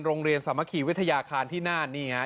โรงเรียนสามัคคีวิทยาคารที่น่านนี่นะ